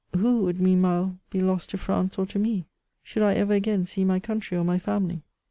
Who would meanwhile be lost to France or to me ? Should I ever again see my country or my £iimily